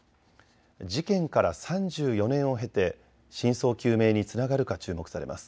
事件から３４年を経て真相究明につながるか注目されます。